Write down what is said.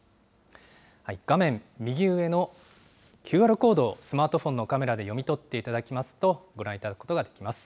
画面右上のＱＲコードを、スマートフォンのカメラで読み取っていただきますと、ご覧いただくことができます。